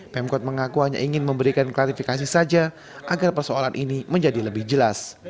pemkot mengaku hanya ingin memberikan klarifikasi saja agar persoalan ini menjadi lebih jelas